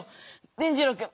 伝じろうくん。